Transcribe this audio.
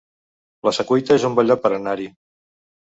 La Secuita es un bon lloc per anar-hi